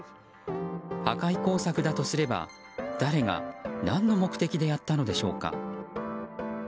破壊工作だとすれば誰が、何の目的でやったのでしょうか？